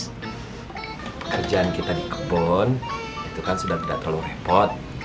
pekerjaan kita di kebon itu kan sudah tidak terlalu repot